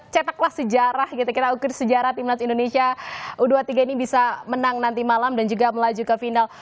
cetaklah sejarah gitu kita ukir sejarah timnas indonesia u dua puluh tiga ini bisa menang nanti malam dan juga melaju ke final